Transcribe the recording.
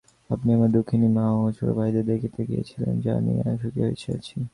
আপনি আমার দুঃখিনী মা ও ছোটভাইদের দেখিতে গিয়াছিলেন জানিয়া সুখী হইয়াছি।